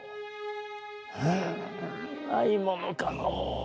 うんないものかのう。